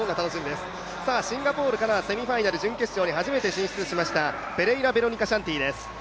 シンガポールからセミファイナル、準決勝に初めて進出しましたペレイラ・ベロニカシャンティです。